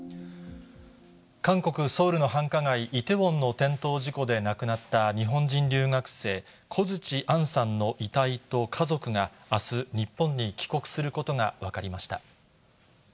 韓国・ソウルの繁華街、イテウォンの転倒事故で亡くなった日本人留学生、小槌杏さんの遺体と家族があす、日本に帰国することが分かりました。